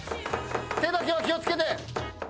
手だけは気を付けて。